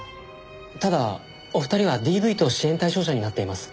ただお二人はＤＶ等支援対象者になっています。